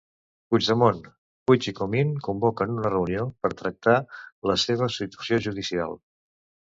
Puigdemont, Puig i Comín convoquen una reunió per tractar la seva situació judicial.